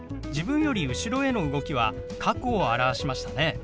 自分より後ろへの動きは過去を表しましたね。